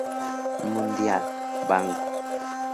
Mundial, Banco.